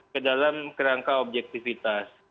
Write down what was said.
kedalam kerangka objektifitas